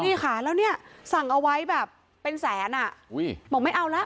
นี่ค่ะแล้วนี่สั่งเอาไว้แบบเป็นแสนบอกไม่เอาแล้ว